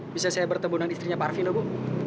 bisa saya bertemu dengan istrinya pak arfino bu